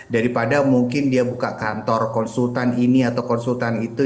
daripada mungkin dia buka kantor konsultan ini atau konsultan itu